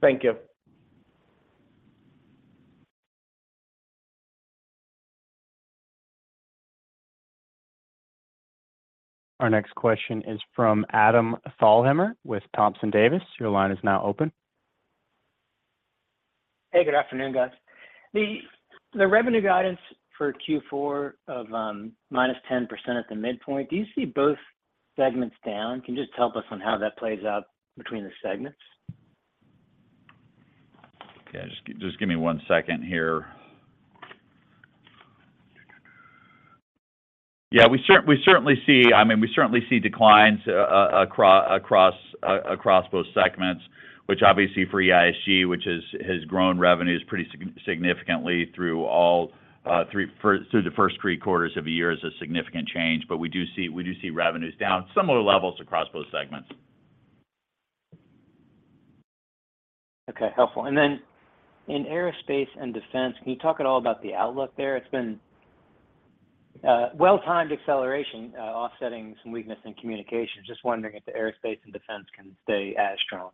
Thank you. Our next question is from Adam Thalhimer, with Thompson Davis. Your line is now open. Hey, good afternoon, guys. The, the revenue guidance for Q4 of -10% at the midpoint, do you see both segments down? Can you just tell us on how that plays out between the segments? Okay, just give me one second here. Yeah, we certainly see, I mean, we certainly see declines across across both segments, which obviously for EISG, which has grown revenues pretty significantly through all three, through the first three quarters of the year, is a significant change. We do see, we do see revenues down similar levels across both segments. Okay, helpful. Then in aerospace and defense, can you talk at all about the outlook there? It's been, well-timed acceleration, offsetting some weakness in communication. Just wondering if the aerospace and defense can stay as strong?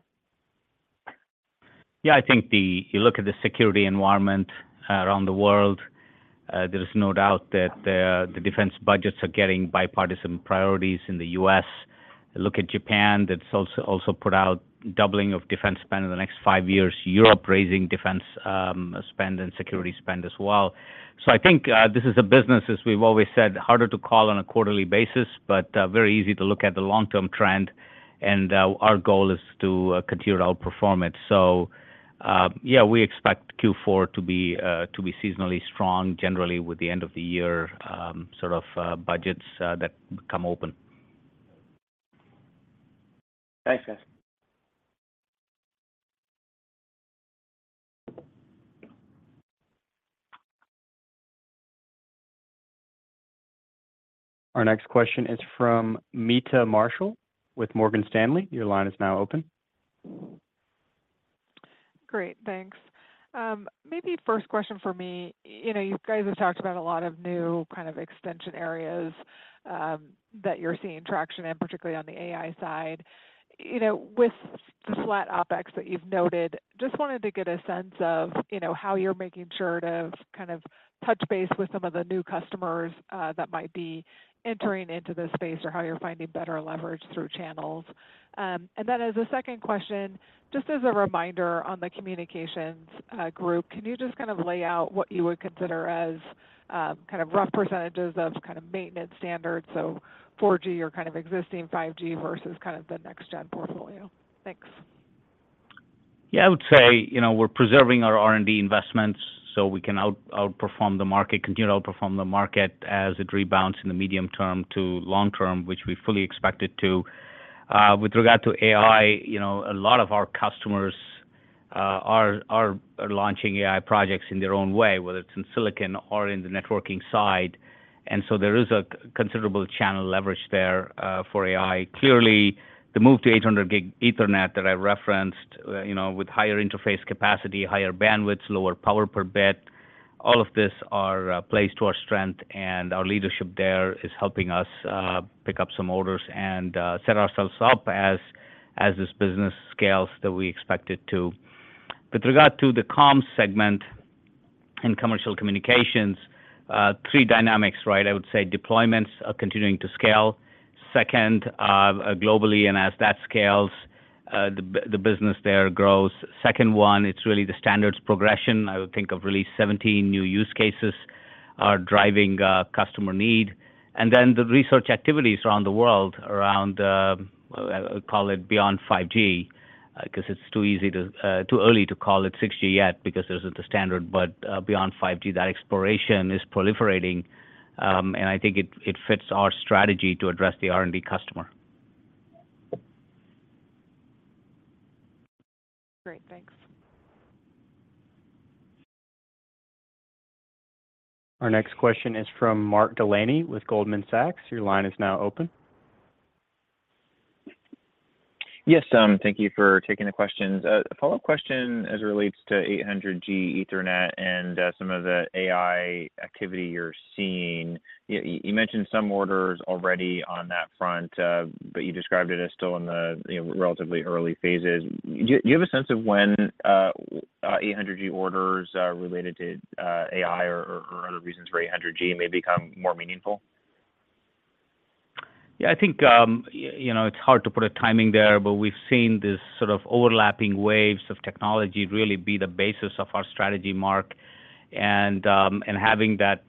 Yeah, I think you look at the security environment around the world, there is no doubt that the, the defense budgets are getting bipartisan priorities in the U.S.. Look at Japan, that's also, also put out doubling of defense spend in the next five years. Europe, raising defense, spend and security spend as well. I think this is a business, as we've always said, harder to call on a quarterly basis, but very easy to look at the long-term trend, and our goal is to continue to outperform it. Yeah, we expect Q4 to be to be seasonally strong, generally with the end of the year, sort of, budgets that come open. Thanks, guys. Our next question is from Meta Marshall with Morgan Stanley. Your line is now open. Great, thanks. Maybe first question for me, you know, you guys have talked about a lot of new kind of extension areas, that you're seeing traction in, particularly on the AI side. You know, with the flat OpEx that you've noted, just wanted to get a sense of, you know, how you're making sure to kind of touch base with some of the new customers, that might be entering into this space, or how you're finding better leverage through channels. And then as a second question, just as a reminder on the communications group, can you just kind of lay out what you would consider as, kind of rough percentages of kind of maintenance standards, so 4G or kind of existing 5G versus kind of the next-gen portfolio? Thanks. Yeah, I would say, you know, we're preserving our R&D investments so we can out-outperform the market, continue to outperform the market as it rebounds in the medium term to long term, which we fully expect it to. With regard to AI, you know, a lot of our customers, are, are, are launching AI projects in their own way, whether it's in silicon or in the networking side. So there is a considerable channel leverage there, for AI. Clearly, the move to 800 Gb Ethernet that I referenced, you know, with higher interface capacity, higher bandwidth, lower power per bit, all of this are, plays to our strength, and our leadership there is helping us, pick up some orders and, set ourselves up as, as this business scales that we expect it to. With regard to the comms segment and commercial communications, three dynamics, right. I would say deployments are continuing to scale. Second, globally, and as that scales, the business there grows. Second one, it's really the standards progression. I would think of really 17 new use cases are driving customer need. Then the research activities around the world, around, I would call it beyond 5G, because it's too easy to too early to call it 6G yet, because there isn't a standard, but beyond 5G, that exploration is proliferating, and I think it, it fits our strategy to address the R&D customer. Great. Thanks. Our next question is from Mark Delaney with Goldman Sachs. Your line is now open. Yes, thank you for taking the questions. A follow-up question as it relates to 800 Gb Ethernet and some of the AI activity you're seeing. You mentioned some orders already on that front, but you described it as still in the, you know, relatively early phases. Do you, do you have a sense of when 800 Gb orders related to AI or other reasons for 800 Gb may become more meaningful? Yeah, I think, you know, it's hard to put a timing there, but we've seen this sort of overlapping waves of technology really be the basis of our strategy, Mark. Having that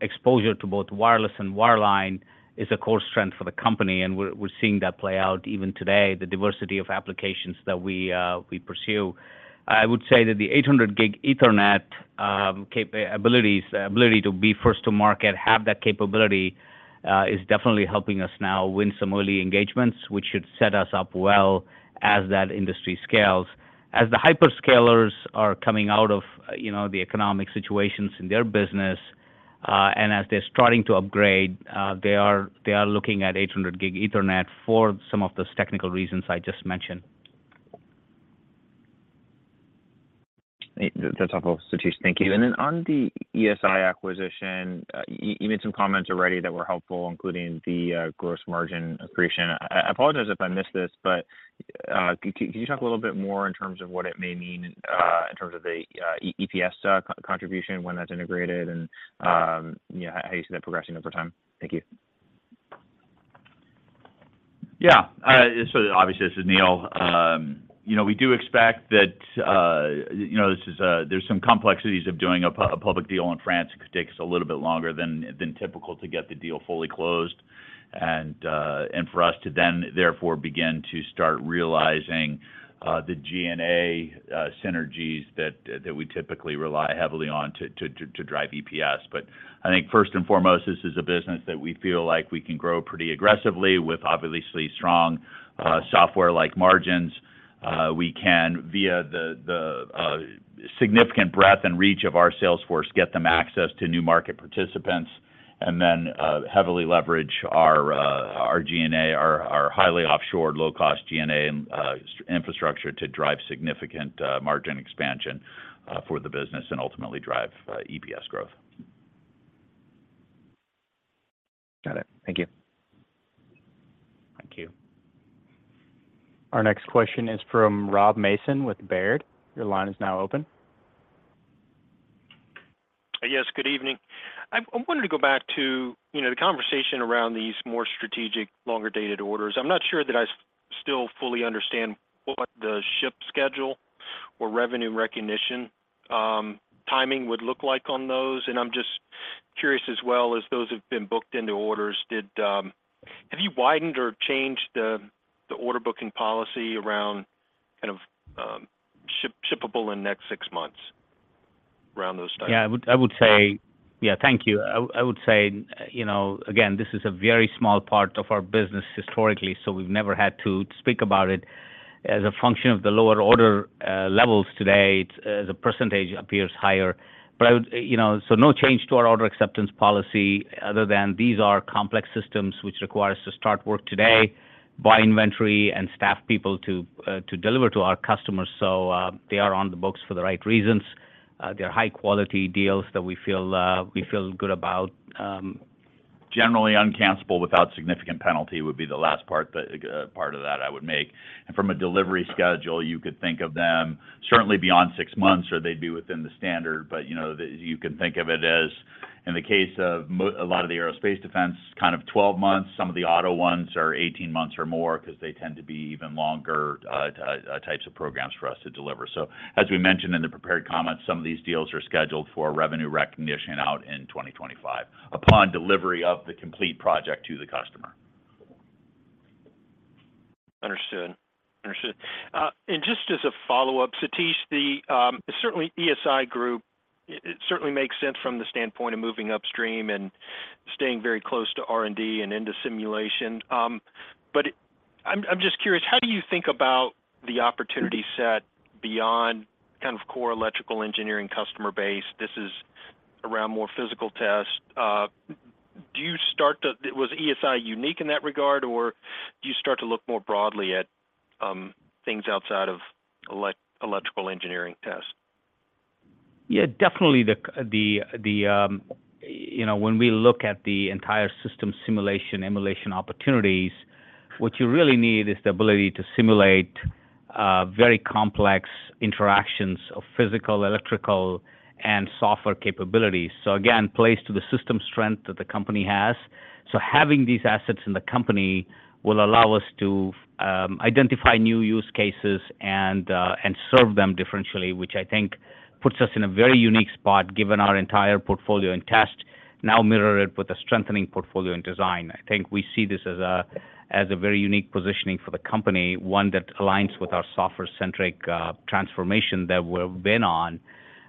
exposure to both wireless and wireline is a core strength for the company, and we're seeing that play out even today, the diversity of applications that we pursue. I would say that the 800 Gb Ethernet capabilities, ability to be first to market, have that capability, is definitely helping us now win some early engagements, which should set us up well as that industry scales. As the hyperscalers are coming out of, you know, the economic situations in their business, and as they're starting to upgrade, they are, they are looking at 800 Gb Ethernet for some of those technical reasons I just mentioned. That's helpful, Satish. Thank you. Then on the ESI acquisition, you, you made some comments already that were helpful, including the gross margin accretion. I, I apologize if I missed this, but can you talk a little bit more in terms of what it may mean in terms of the EPS stock contribution, when that's integrated and, you know, how you see that progressing over time? Thank you. Yeah, obviously, this is Neil. You know, we do expect that, you know, this is, there's some complexities of doing a public deal in France. It could take us a little bit longer than, than typical to get the deal fully closed, and for us to then, therefore, begin to start realizing the G&A synergies that, that we typically rely heavily on to, to, to drive EPS. I think first and foremost, this is a business that we feel like we can grow pretty aggressively with obviously strong, software-like margins. We can, via the, the significant breadth and reach of our sales force, get them access to new market participants, and then heavily leverage our G&A, our highly offshored, low-cost G&A and infrastructure to drive significant margin expansion for the business and ultimately drive EPS growth. Got it. Thank you. Thank you. Our next question is from Robert Mason with Baird. Your line is now open. Yes, good evening. I wanted to go back to, you know, the conversation around these more strategic, longer-dated orders. I'm not sure that I still fully understand what the ship schedule or revenue recognition, timing would look like on those, and I'm just curious as well as those have been booked into orders, did... Have you widened or changed the, the order booking policy around kind of, shippable in the next six months, around those types? Yeah, I would, I would say. Yeah, thank you. I, I would say, you know, again, this is a very small part of our business historically, so we've never had to speak about it. As a function of the lower order levels today, the percentage appears higher. I would, you know, so no change to our order acceptance policy other than these are complex systems, which require us to start work today, buy inventory and staff people to deliver to our customers. They are on the books for the right reasons. They are high-quality deals that we feel, we feel good about. Generally, uncancelable without significant penalty would be the last part, but part of that I would make. From a delivery schedule, you could think of them certainly beyond six months, or they'd be within the standard. You know, you can think of it as, in the case of a lot of the aerospace defense, kind of 12 months. Some of the auto ones are 18 months or more, 'cause they tend to be even longer types of programs for us to deliver. As we mentioned in the prepared comments, some of these deals are scheduled for revenue recognition out in 2025, upon delivery of the complete project to the customer. Understood. Understood. And just as a follow-up, Satish, the, certainly ESI Group, it, it certainly makes sense from the standpoint of moving upstream and staying very close to R&D and into simulation. But I'm, I'm just curious: how do you think about the opportunity set beyond kind of core electrical engineering customer base? This is around more physical test. Do you start to... Was ESI unique in that regard, or do you start to look more broadly at, things outside of ele- electrical engineering test? Yeah, definitely the, the, the, you know, when we look at the entire system simulation, emulation opportunities, what you really need is the ability to simulate very complex interactions of physical, electrical, and software capabilities. Again, plays to the system strength that the company has. Having these assets in the company will allow us to identify new use cases and serve them differentially, which I think puts us in a very unique spot, given our entire portfolio in test, now mirrored with a strengthening portfolio in design. I think we see this as a, as a very unique positioning for the company, one that aligns with our software-centric transformation that we've been on.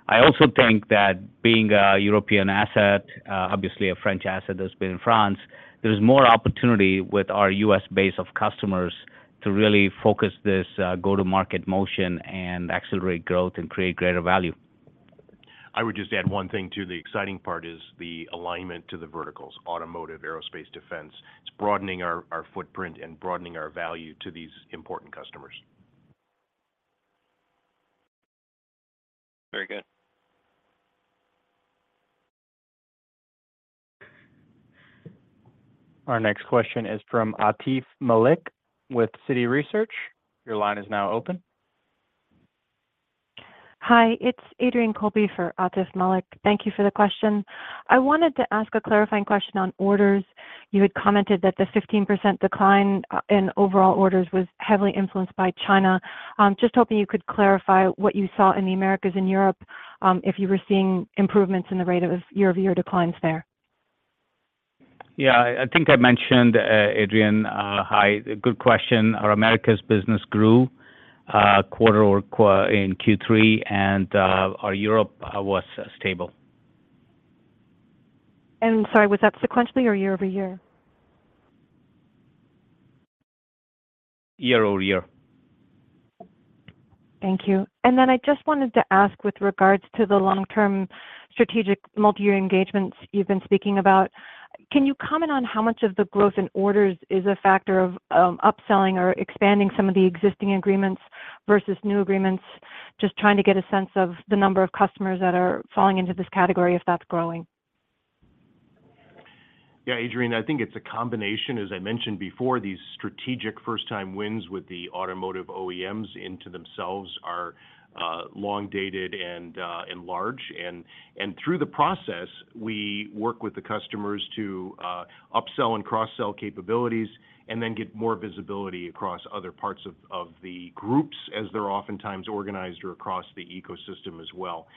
I also think that being a European asset, obviously a French asset that's been in France, there's more opportunity with our U.S. base of customers to really focus this, go-to-market motion and accelerate growth and create greater value. I would just add one thing, too. The exciting part is the alignment to the verticals: automotive, aerospace, defense. It's broadening our footprint and broadening our value to these important customers. Very good. Our next question is from Atif Malik with Citi Research. Your line is now open. Hi, it's Adrienne Colby for Atif Malik. Thank you for the question. I wanted to ask a clarifying question on orders. You had commented that the 15% decline in overall orders was heavily influenced by China. Just hoping you could clarify what you saw in the Americas and Europe, if you were seeing improvements in the rate of year-over-year declines there. Yeah, I think I mentioned, Adrienne, hi, good question. Our Americas business grew, quarter-over-quarter in Q3, and our Europe was stable. Sorry, was that sequentially or year-over-year? Year-over-year. Thank you. Then I just wanted to ask with regards to the long-term strategic multiyear engagements you've been speaking about, can you comment on how much of the growth in orders is a factor of upselling or expanding some of the existing agreements versus new agreements? Just trying to get a sense of the number of customers that are falling into this category, if that's growing. Yeah, Adrienne, I think it's a combination. As I mentioned before, these strategic first-time wins with the automotive OEMs into themselves are long dated and large. Through the process, we work with the customers to upsell and cross-sell capabilities and then get more visibility across other parts of, of the groups, as they're oftentimes organized or across the ecosystem as well.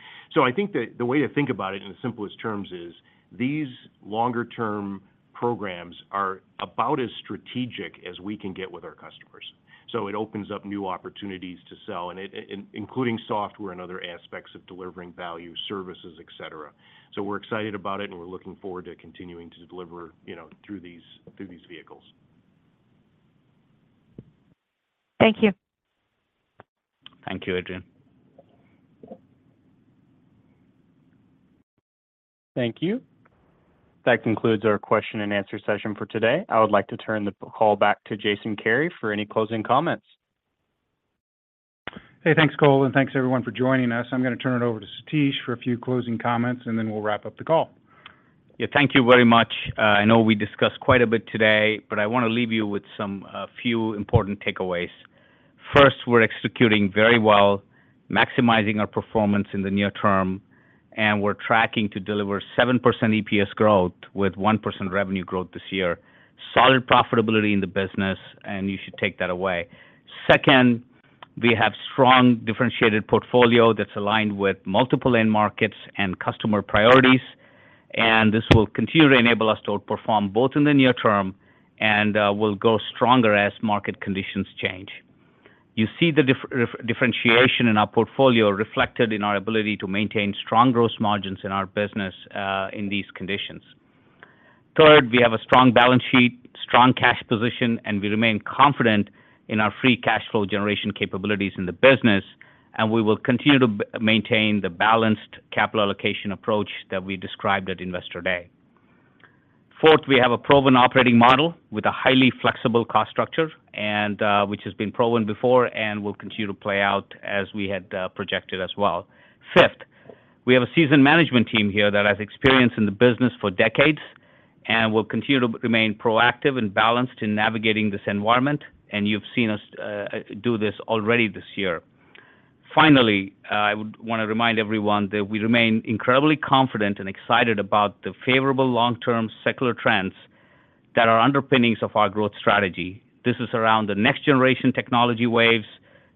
I think the, the way to think about it in the simplest terms is, these longer-term programs are about as strategic as we can get with our customers. It opens up new opportunities to sell, and it, and including software and other aspects of delivering value, services, et cetera. We're excited about it, and we're looking forward to continuing to deliver, you know, through these, through these vehicles. Thank you. Thank you, Adrienne. Thank you. That concludes our question and answer session for today. I would like to turn the call back to Jason Kary for any closing comments. Hey, thanks, Cole, and thanks, everyone, for joining us. I'm gonna turn it over to Satish for a few closing comments, and then we'll wrap up the call. Yeah, thank you very much. I know we discussed quite a bit today, but I want to leave you with some, a few important takeaways. First, we're executing very well, maximizing our performance in the near term, and we're tracking to deliver 7% EPS growth with 1% revenue growth this year. Solid profitability in the business, and you should take that away. Second, we have strong, differentiated portfolio that's aligned with multiple end markets and customer priorities, and this will continue to enable us to perform both in the near term and will grow stronger as market conditions change. You see the differentiation in our portfolio reflected in our ability to maintain strong gross margins in our business in these conditions. Third, we have a strong balance sheet, strong cash position, and we remain confident in our free cash flow generation capabilities in the business, and we will continue to maintain the balanced capital allocation approach that we described at Investor Day. Fourth, we have a proven operating model with a highly flexible cost structure, which has been proven before and will continue to play out as we had projected as well. Fifth, we have a seasoned management team here that has experience in the business for decades and will continue to remain proactive and balanced in navigating this environment, and you've seen us do this already this year. Finally, I would want to remind everyone that we remain incredibly confident and excited about the favorable long-term secular trends that are underpinnings of our growth strategy. This is around the next-generation technology waves,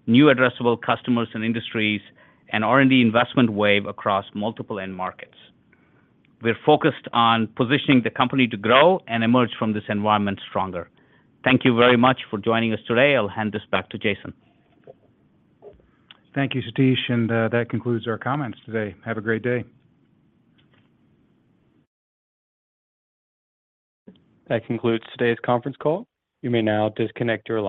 new addressable customers and industries, and R&D investment wave across multiple end markets. We're focused on positioning the company to grow and emerge from this environment stronger. Thank you very much for joining us today. I'll hand this back to Jason. Thank you, Satish, and that concludes our comments today. Have a great day. That concludes today's conference call. You may now disconnect your-